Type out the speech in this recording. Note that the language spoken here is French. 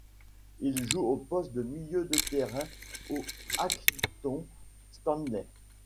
Il joue au poste de milieu de terrain au Accrington Stanley.